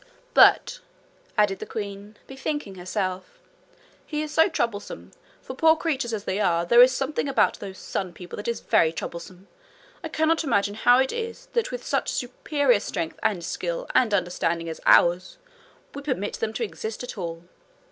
'But,' added the queen, bethinking herself, 'he is so troublesome. For poor creatures as they are, there is something about those sun people that is very troublesome. I cannot imagine how it is that with such superior strength and skill and understanding as ours, we permit them to exist at all.